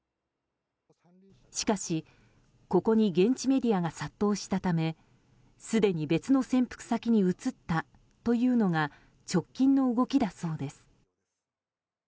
しかし、ここに現地メディアが殺到したためすでに、別の潜伏先に移ったというのが直近の動きだそうです。